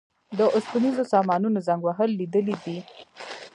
د اوسپنیزو سامانونو زنګ وهل لیدلي دي.